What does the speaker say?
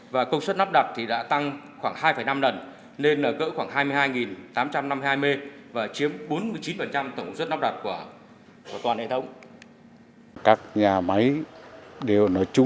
và công suất nắp đặt đã tăng khoảng hai năm lần lên gỡ khoảng hai mươi hai tám trăm năm mươi hai mê